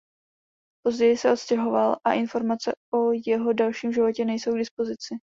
Později se odstěhoval a informace o jeho dalším životě nejsou k dispozici.